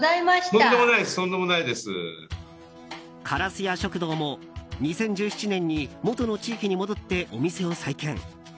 からすや食堂も２０１７年に元の地域に戻ってお店を再建。